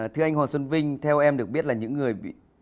thưa anh hoàng xuân vinh theo em được biết là những người